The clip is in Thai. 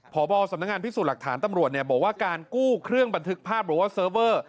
พบสำนักงานพิสูจน์หลักฐานตำรวจบอกว่าการกู้เครื่องบันทึกภาพหรือว่าเซิร์ฟเวอร์